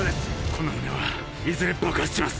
この船はいずれ爆発します